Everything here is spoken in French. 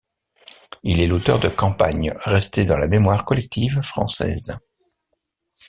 Il est l'auteur de campagnes restées dans la mémoire collective française.